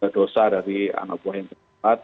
dosa dari anak buah yang terdekat